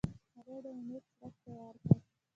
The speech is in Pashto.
هغوی د امید څرک تیاره کړ.